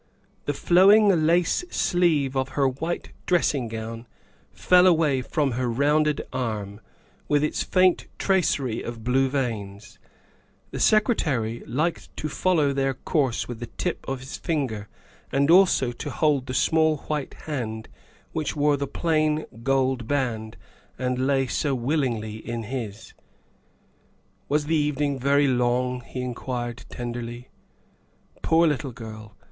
'' The flowing lace sleeve of her white dressing gown fell away from her rounded arm, with its faint tracery of blue veins; the Secretary liked to follow their course with the tip of his finger and also to hold the small white hand which wore the plain gold band and lay so willingly in his. 106 THE WIFE OF " Was the evening very long?" he inquired tenderly. " Poor little girl!